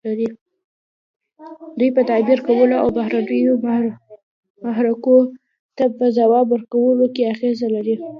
دوی په تعبیر کولو او بهرنیو محرکو ته په ځواب ورکولو کې اغیزه لري.